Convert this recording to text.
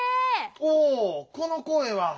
おおこのこえは。